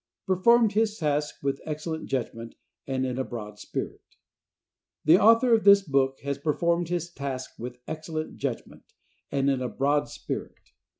"Performed His Task With Excellent Judgment and in a Broad Spirit." The author of this book has performed his task with excellent judgment and in a broad spirit.